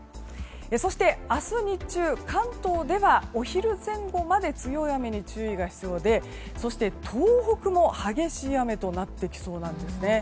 そして、明日日中関東ではお昼前後まで強い雨に注意が必要でそして、東北も激しい雨となってきそうなんですね。